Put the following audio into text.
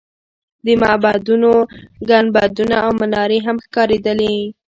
د معبدونو ګنبدونه او منارې هم ښکارېدلې.